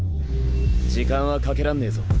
時間はかけらんねぇぞ。